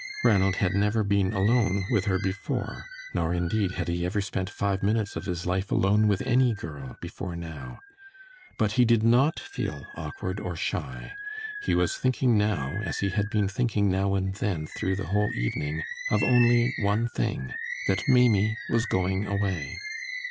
Ranald had never been alone with her before, nor indeed had he ever spent five minutes of his life alone with any girl before now. But he did not feel awkward or shy; he was thinking now, as he had been thinking now and then through the whole evening, of only one thing, that Maimie was going away.